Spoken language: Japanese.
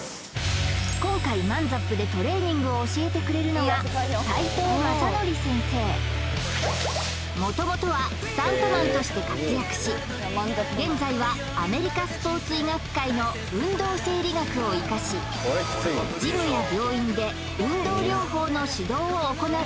今回マンザップでトレーニングを教えてくれるのが齋藤應典先生もともとはスタントマンとして活躍し現在はアメリカスポーツ医学界の運動生理学を生かしジムや病院で運動療法の指導を行っているトレーナー